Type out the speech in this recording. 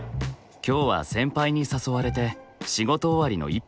今日は先輩に誘われて仕事終わりの一杯。